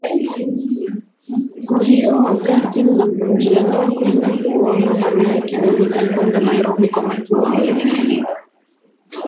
kwa hiyo wakati ninapojiandaa kwenda kuona na mimi kidogo nilikwenda nairobi kwa matibabu